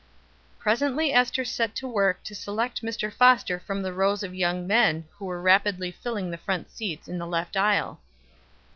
Presently Ester set to work to select Mr. Foster from the rows of young men who were rapidly filling the front seats in the left aisle.